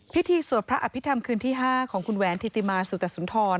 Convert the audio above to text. สวดพระอภิษฐรรมคืนที่๕ของคุณแหวนธิติมาสุตสุนทร